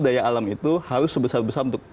daya alam itu harus sebesar besar untuk